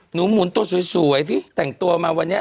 หมุนตัวสวยที่แต่งตัวมาวันนี้